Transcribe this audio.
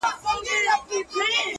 د ميني پر كوڅه ځي ما يوازي پــرېـــږدې-